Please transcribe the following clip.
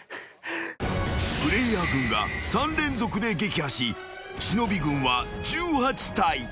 ［プレイヤー軍が３連続で撃破し忍軍は１８体］